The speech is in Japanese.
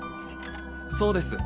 そうです。